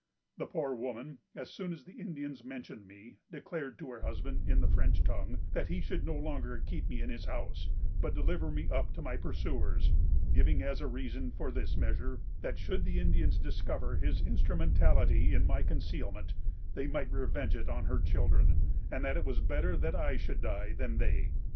The poor woman, as soon as the Indians mentioned me, declared to her husband, in the French tongue, that he should no longer keep me in his house, but deliver me up to my pursuers; giving as a reason for this measure, that, should the Indians discover his instrumentality in my concealment, they might revenge it on her children, and that it was better that I should die than they.